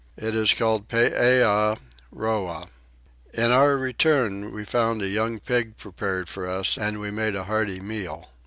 It is called Peeah Roah. In our return we found a young pig prepared for us and we made a hearty meal.